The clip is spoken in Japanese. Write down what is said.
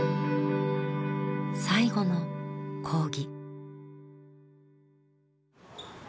最後の講義。